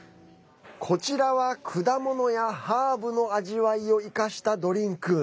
こちらは、果物やハーブの味わいを生かしたドリンク。